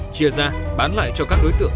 chia ra bán lại cho các đối tượng